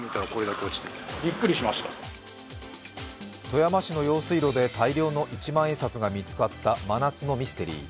富山市の用水路で大量の一万円札が見つかった真夏のミステリー。